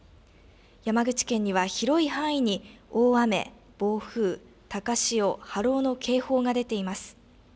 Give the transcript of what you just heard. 山口県には広い範囲に大雨、暴風、高潮、波浪の警報が出ています。